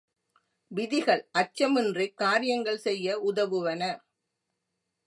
விதிகள் அச்சமின்றிக் காரியங்கள் செய்ய உதவுவன.